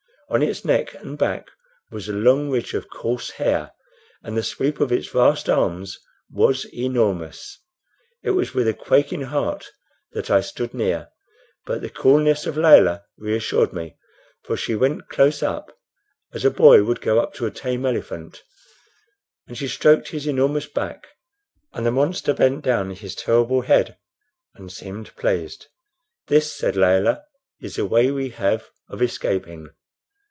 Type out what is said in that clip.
On its neck and back was a long ridge of coarse hair, and the sweep of its vast arms was enormous. It was with a quaking heart that I stood near; but the coolness of Layelah reassured me, for she went close up, as a boy would go up to a tame elephant, and she stroked his enormous back, and the monster bent down his terrible head and seemed pleased. "This," said Layelah, "is the way we have of escaping."